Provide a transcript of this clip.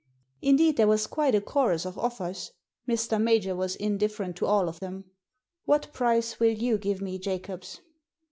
Indeed, there was quite a chorus of offers. Mr. Major was indifferent to all of them. What price will you give me, Jacobs